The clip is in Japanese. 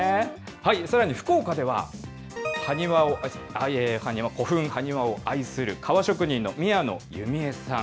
さらに福岡では、古墳、埴輪を愛する革職人の宮野弓絵さん。